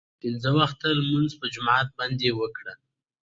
It also brewed under joint ventures for Tuan Chau Tien, his brands.